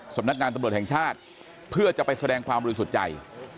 สำนักงานตำรวจแห่งชาติเพื่อจะไปแสดงความบริสุทธิ์ใจ